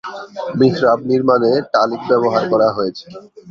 মিহরাব নির্মাণে টালি ব্যবহার করা হয়েছে।